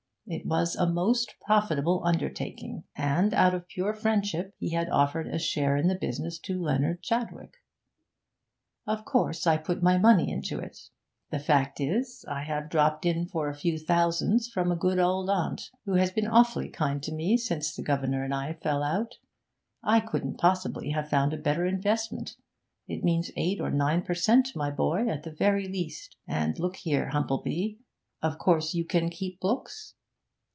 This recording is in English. It was a most profitable undertaking, and, out of pure friendship, he had offered a share in the business to Leonard Chadwick. 'Of course, I put money into it. The fact is, I have dropped in for a few thousands from a good old aunt, who has been awfully kind to me since the governor and I fell out. I couldn't possibly have found a better investment, it means eight or nine per cent, my boy, at the very least! And look here, Humplebee, of course you can keep books?'